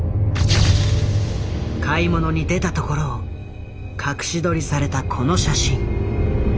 買い物に出たところを隠し撮りされたこの写真。